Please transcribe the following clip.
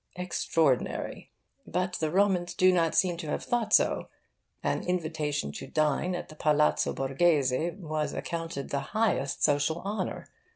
Extraordinary! but the Romans do not seem to have thought so. An invitation to dine at the Palazzo Borghese was accounted the highest social honour.